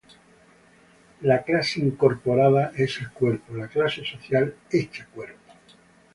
La clase incorporada es el cuerpo, la clase social hecha cuerpo.